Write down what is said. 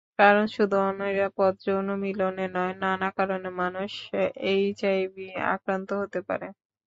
কারণ, শুধু অনিরাপদ যৌনমিলনে নয়, নানা কারণে মানুষ এইচআইভি আক্রান্ত হতে পারে।